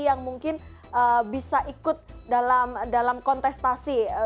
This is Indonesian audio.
yang mungkin bisa ikut dalam kontestasi